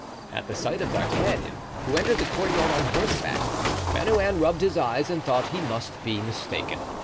At the sight of D'Artagnan, who entered the courtyard on horseback, Bernouin rubbed his eyes and thought he must be mistaken.